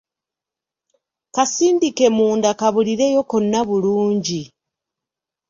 Kasindike munda kabulireyo konna bulungi.